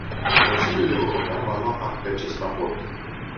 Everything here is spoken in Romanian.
Consiliul european va lua act de acest raport.